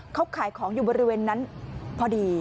เขาขายของอยู่บริเวณนั้นพอดี